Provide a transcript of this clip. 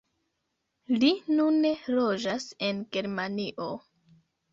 Li nune loĝas en Germanio.